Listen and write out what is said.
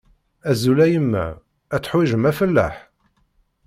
Azul a yemma, ad teḥwijem afellaḥ?